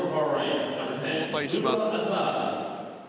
交代します。